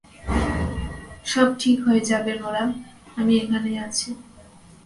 সব ঠিক হয়ে যাবে - নোরাহ, আমি এখানেই আছি।